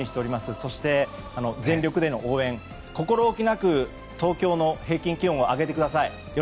そして、全力での応援心置きなく東京の平均気温を上げてください。